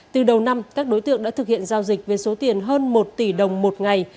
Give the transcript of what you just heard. từ đầu năm các đối tượng đã thực hiện giao dịch với số tiền hơn một tỷ đồng một ngày